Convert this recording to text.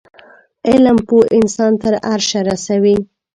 علم پوه انسان تر عرشه رسوی